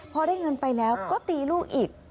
พอได้เงินไปแล้วก็ตีลูกอีก